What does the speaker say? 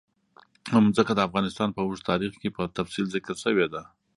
ځمکه د افغانستان په اوږده تاریخ کې په تفصیل ذکر شوی دی.